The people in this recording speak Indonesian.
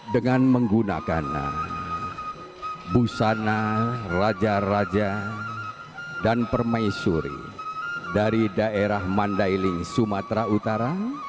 dengan menggunakan busana raja raja dan permaisuri dari daerah mandailing sumatera utara